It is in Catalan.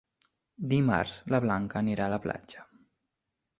Dimarts na Blanca anirà a la platja.